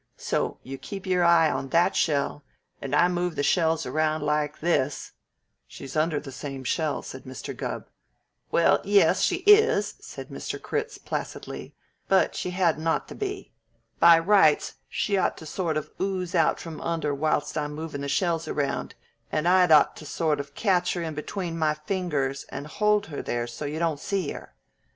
So you keep your eye on that shell, and I move the shells around like this " "She's under the same shell," said Mr. Gubb. "Well, yes, she is," said Mr. Critz placidly, "but she hadn't ought to be. By rights she ought to sort of ooze out from under whilst I'm movin' the shells around, and I'd ought to sort of catch her in between my fingers and hold her there so you don't see her.